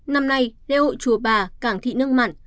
năm nay lê hội chùa bà cảng thị nước mặn